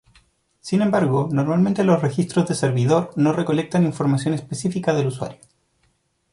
Sin embargo, normalmente los registros de servidor no recolectan información específica del usuario.